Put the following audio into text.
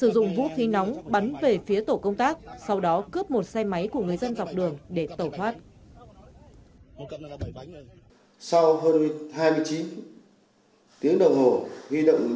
đến về phía tổ công tác sau đó cướp một xe máy của người dân dọc đường để tẩu thoát